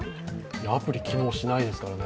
アプリ機能しないですよね。